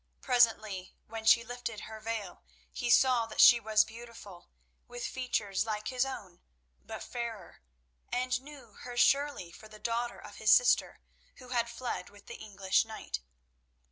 Presently, when she lifted her veil, he saw that she was beautiful, with features like his own, but fairer, and knew her surely for the daughter of his sister who had fled with the English knight.